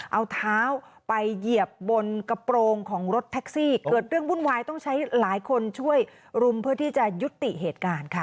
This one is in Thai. เอาเท้าไปเหยียบบนกระโปรงของรถแท็กซี่เกิดเรื่องวุ่นวายต้องใช้หลายคนช่วยรุมเพื่อที่จะยุติเหตุการณ์ค่ะ